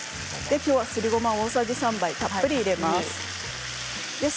きょうは、すりごま大さじ３杯たっぷり入れます。